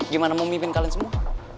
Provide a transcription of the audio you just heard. gimana mau mimpin kalian semua